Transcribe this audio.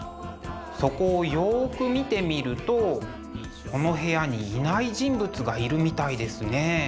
そこをよく見てみるとこの部屋にいない人物がいるみたいですね。